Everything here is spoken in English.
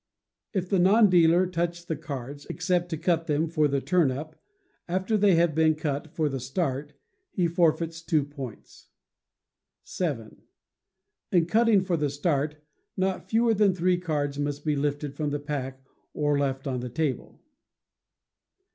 If the non dealer touch the cards (except to cut them for the turn up) after they have been cut for the start, he forfeits two points. vii. In cutting for the start, not fewer than three cards must be lifted from the pack or left on the table.